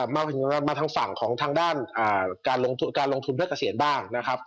มาถึงมาทางฝั่งของทางด้านการลงทุนเพื่อเกษียณบ้างนะครับ